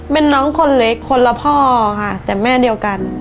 เป็นน้องคนเล็กคนละพ่อค่ะแต่แม่เดียวกัน